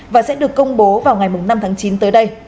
và sẽ được công bố vào ngày năm tháng chín tới đây